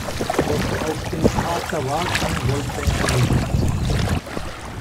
Doch auf den Pater warten wollte er nicht.